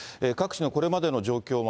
各地のこれまでの状況